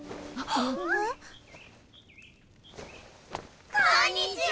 こんにちは！